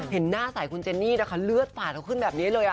เห็นหน้าสายคุณเจนนี่นะคะเลือดฝาดเขาขึ้นแบบนี้เลย